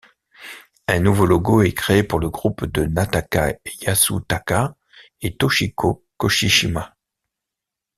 Un nouveau logo est créé pour le groupe de Nakata Yasutaka et Toshiko Koshijima.